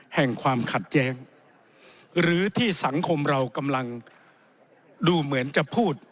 แห่งความขัดแย้งหรือที่สังคมเรากำลังดูเหมือนจะพูด